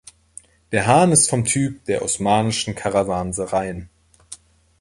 Der Han ist vom Typ der osmanischen Karawansereien.